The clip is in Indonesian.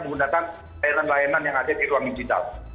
menggunakan layanan layanan yang ada di ruang digital